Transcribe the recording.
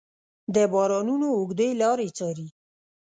د بارانونو اوږدې لارې څارې